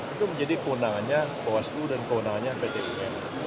itu menjadi kewenangannya bawaslu dan kewenangannya pt un